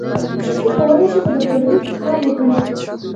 ښځې کولی شي په دفترونو کې کار وکړي.